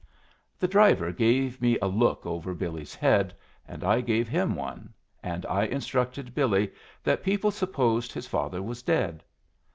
The driver gave me a look over Billy's head, and I gave him one; and I instructed Billy that people supposed his father was dead.